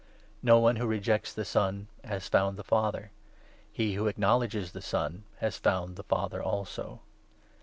No one who rejects the Son 23 has found the Father ; he who acknowledges the Son has found the Father also.